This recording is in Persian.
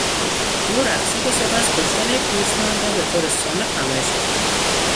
او رقصید و سپس کشتن یک گوسفند را به طور صامت نمایش داد.